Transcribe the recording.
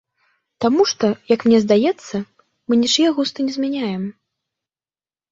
Таму што, як мне здаецца, мы нічые густы не змяняем.